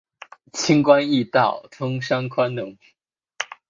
轻关易道，通商宽农